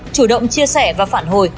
chủ động chia sẻ và phản hồi